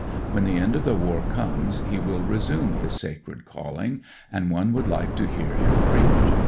When the end of the war comes he will resume his sacred calling, and one would like to hear him preach.